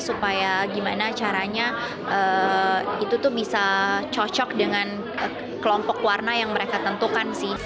supaya gimana caranya itu tuh bisa cocok dengan kelompok warna yang mereka tentukan sih